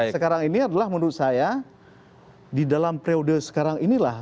sekarang ini adalah menurut saya di dalam periode sekarang inilah